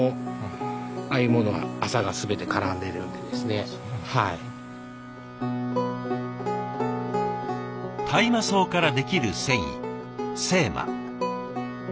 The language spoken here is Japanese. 大体もう大麻草からできる繊維精麻。